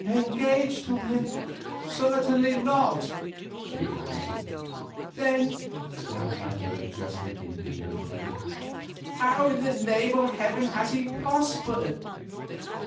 "Engaged to him! Certainly not," she answered. "Then," snapped out her justly indignant parent, "how in the name of Heaven has he prospered?"